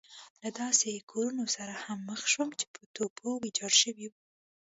له داسې کورونو سره هم مخ شوم چې په توپو ويجاړ شوي وو.